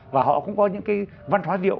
và họ cũng có những văn hóa rượu